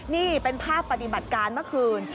นี่เป็นภาพปฏิบัติการเมื่อคืน